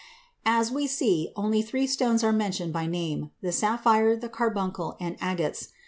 As we see, only three stones are mentioned by name: the sapphire, the carbuncle, and "agates."